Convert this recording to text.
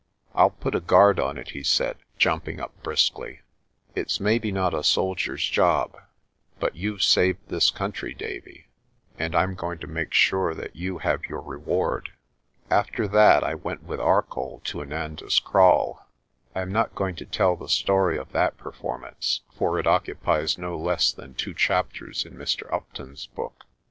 "I'll put a guard on it," he said, jumping up briskly. "It's maybe not a soldier's job but you've saved this country, Davie, and I'm going to make sure that you have your reward." After that I went with Arcoll to Inanda's Kraal. I am not going to tell the story of that performance, for it oc cupies no less than two chapters in Mr. Upton's book.